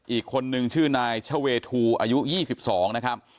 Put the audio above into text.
อีกคนนึงชื่อนายชเวทูอายุ๒๒นะครับ